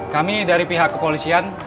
kami dari pihak kepolisian